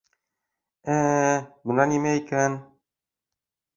Ә, бына нимә икән...